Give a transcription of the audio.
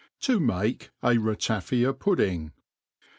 To make a Ratifia Pudding.